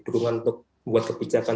burungan untuk membuat kebijakan